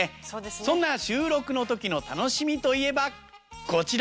そんな収録のときの楽しみといえば、こちら。